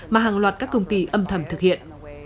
mà hàng loạt các công ty âm thầm thực hiện